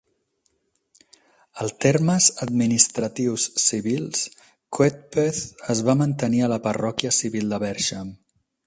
El termes administratius civils, Coedpoeth es va mantenir a la parròquia civil de Bersham.